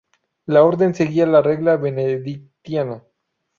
La orden seguía la regla benedictina.